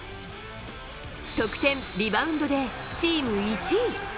得点、リバウンドでチーム１位。